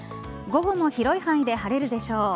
午後も広い範囲で晴れるでしょう。